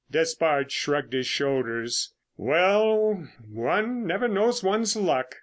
Despard shrugged his shoulders. "Well, one never knows one's luck.